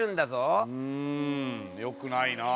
うんよくないな。